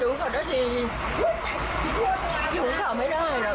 อยู่กลับไว้ไม่ได้เจ้าหายุคนเดียวเพื่อนเมียก็มาวันเนี้ย